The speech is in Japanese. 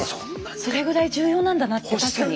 それぐらい重要なんだなって確かに。